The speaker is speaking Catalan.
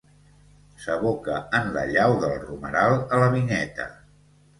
S'aboca en la llau del Romeral a la Vinyeta.